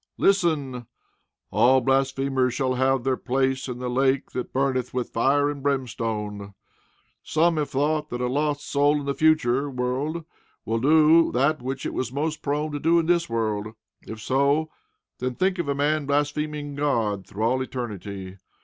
Listen: "All blasphemers shall have their place in the lake that burneth with fire and brimstone." Some have thought that a lost soul in the future world will do that which it was most prone to do in this world. If so, then think of a man blaspheming God through all eternity!